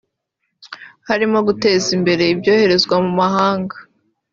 harimo guteza imbere ibyoherezwa mu mahanga